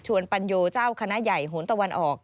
ปัญโยเจ้าคณะใหญ่โหนตะวันออก